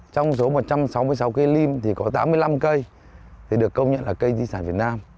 trong số một trăm sáu mươi sáu cây lim thì có tám mươi năm cây được công nhận là cây di sản việt nam